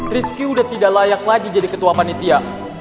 rifki sudah tidak layak lagi jadi ketua panitia